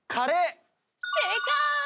正解！